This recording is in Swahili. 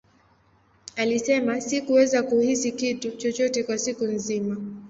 Alisema, Sikuweza kuhisi kitu chochote kwa siku nzima.